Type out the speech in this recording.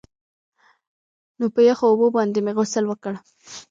نو په يخو اوبو باندې مې غسل وکړ.